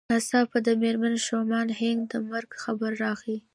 ناڅاپه د مېرمن شومان هينک د مرګ خبر راغی.